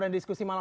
bapak adi prayitno